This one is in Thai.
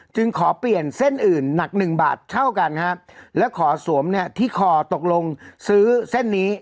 จึงขอเปลี่ยนเส้นอื่นหนักหนึ่งบาทเท่ากันครับและขอสวมเนี่ยที่คอตกลงซื้อเส้นนี้